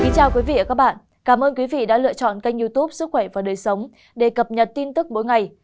chào các bạn cảm ơn quý vị đã lựa chọn kênh youtube sức khỏe và đời sống để cập nhật tin tức mỗi ngày